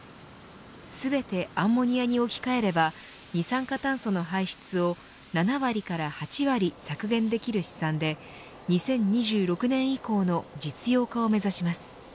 全てアンモニアに置き換えれば二酸化炭素の排出を７割から８割削減できる試算で２０２６年以降の実用化を目指します。